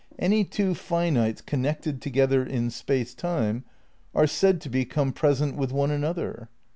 Any two finites connected together in Space Time are said to be compresent with one another.